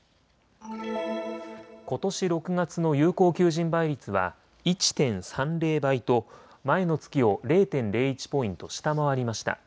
ことし６月の有効求人倍率は１．３０倍と前の月を０．０１ポイント下回りました。